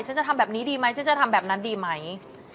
จะทำแบบนี้ดีไหมฉันจะทำแบบนั้นดีไหม